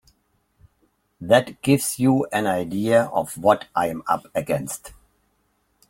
That gives you an idea of what I'm up against.